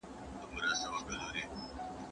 علم له خرافاتو سره مبارزه کوي.